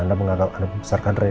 anda menggagal anda membesarkan rena